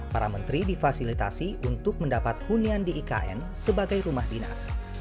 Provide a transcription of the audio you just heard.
para menteri difasilitasi untuk mendapat hunian di ikn sebagai rumah dinas